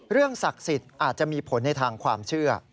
ศักดิ์สิทธิ์อาจจะมีผลในทางความเชื่อ